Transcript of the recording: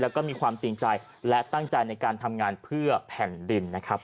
แล้วก็มีความจริงใจและตั้งใจในการทำงานเพื่อแผ่นดินนะครับ